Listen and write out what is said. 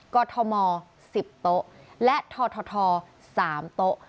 กรทม๑๐โต๊ะและทท๓โต๊ะ